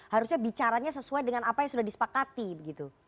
harusnya bicaranya sesuai dengan apa yang sudah disepakati begitu